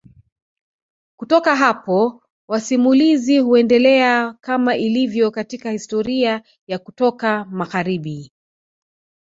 Kutoka hapo masimulizi huendelea kama ilivyo katika historia ya kutoka magharibi